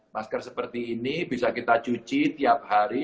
masker seperti ini bisa kita cuci tiap hari